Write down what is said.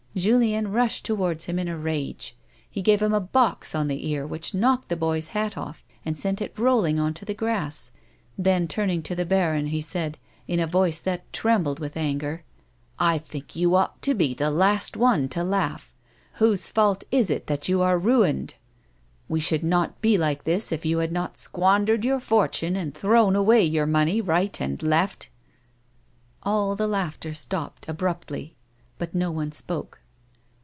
Julien rushed towards him in a rage ; he gave him a box on the ear ■which knocked the boy's hat ofi:" and sent it rolling on to the grass ; then, turning to the bardli, he said, in a voice that trembled with anger :" I think you ought to be the last one to laugh. Whose fault is it that you are ruined ? We should not be like this if you had not squandered your fortune and thrown away your money right and left." All the laughter stopped abruptly, but no one spoke.